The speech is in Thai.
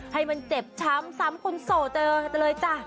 ให้มันเจ็บช้ำซ้ำคนโสดเลยจ้ะ